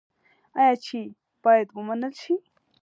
آیا چې باید ومنل شي؟